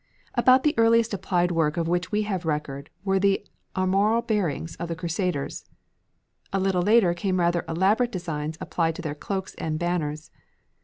About the earliest applied work of which we have record were the armorial bearings of the Crusaders. A little later came rather elaborate designs applied to their cloaks and banners.